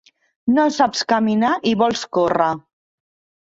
No saps caminar i vols córrer.